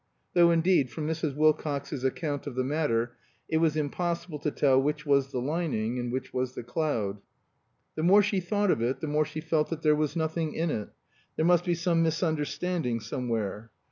(Though, indeed, from Mrs. Wilcox's account of the matter, it was impossible to tell which was the lining and which was the cloud.) The more she thought of it the more she felt that there was nothing in it. There must be some misunderstanding somewhere.